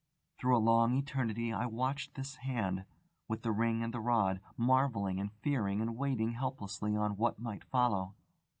Through a long eternity I watched this Hand, with the ring and the rod, marvelling and fearing and waiting helplessly on what might follow.